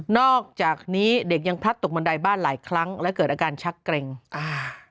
อกจากนี้เด็กยังพลัดตกบันไดบ้านหลายครั้งและเกิดอาการชักเกร็งอ่า